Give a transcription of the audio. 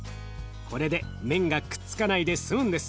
これで麺がくっつかないで済むんです。